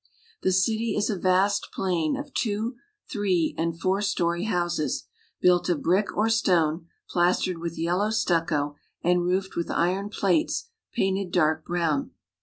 The city is a vast plain of two, three, and four story IN ST. PETERSBURG. 33 1 houses, built of brick or stone, plastered with yellow stucco, and roofed with iron plates painted dark brown.